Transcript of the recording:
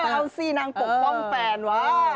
เอาสินางปกป้องแฟนวะ